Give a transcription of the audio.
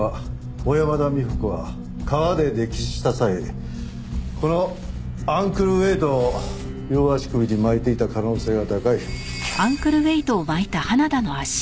小山田美穂子は川で溺死した際このアンクルウェートを両足首に巻いていた可能性が高い。